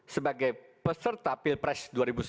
sebagai peserta pilpres dua ribu sembilan belas